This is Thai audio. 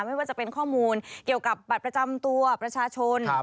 ไม่ว่าจะเป็นข้อมูลเกี่ยวกับบัตรประจำตัวประชาชน